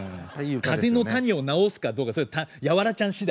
風邪の谷を治すかどうかそれヤワラちゃん次第？